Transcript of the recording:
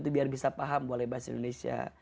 biar bisa paham boleh bahasa indonesia